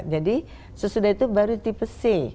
jadi sesudah itu baru tipe c